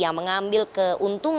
yang mengambil keuntungan